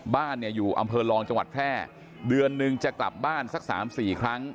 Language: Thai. บ้านเนี่ยอยู่อำเภอรองจังหวัดแพร่เดือนนึงจะกลับบ้านสัก๓๔ครั้ง